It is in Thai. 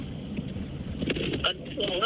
จะ